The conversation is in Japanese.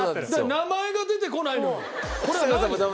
名前出てこない。